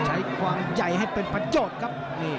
ใช้ความใหญ่ให้เป็นประโยชน์ครับ